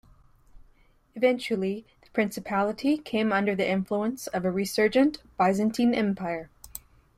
Eventually, the Principality came under the influence of a resurgent Byzantine Empire.